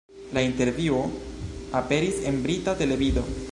La intervjuo aperis en brita televido.